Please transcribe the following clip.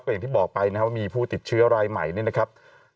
อย่างที่บอกไปนะครับว่ามีผู้ติดเชื้อรายใหม่เนี่ยนะครับ